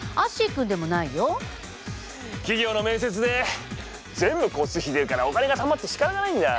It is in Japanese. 企業の面接で全部交通費出るからお金がたまってしかたがないんだ。